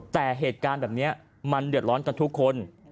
แต่เหตุการณ์แบบนี้มันเดือดร้อนกันทุกคน